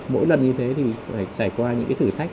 mỗi lần như thế thì phải trải qua những thử thách